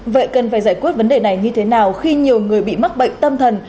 vậy cần phải giải quyết vấn đề này như thế nào khi nhiều người bị mắc bệnh tâm thần